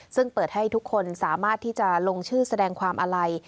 ซึ่งเปิดให้ทุกคนสามารถที่จะลงชื่อแสดงความอาลัย